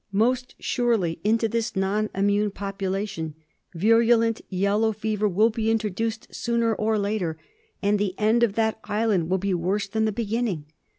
Most surely into this non immune population virulent yellow fever will be introduced sooner or later, and the end of that island will be worse than the beginning.